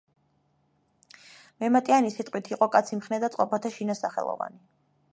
მემატიანის სიტყვით, „იყო კაცი მხნე და წყობათა შინა სახელოვანი“.